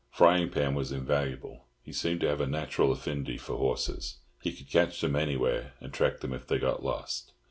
Frying Pan was invaluable. He seemed to have a natural affinity for horses. He could catch them anywhere, and track them if they got lost.